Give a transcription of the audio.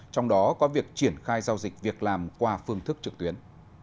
trong đó có việc triển khai giao dịch việc làm qua phương thức trực tuyến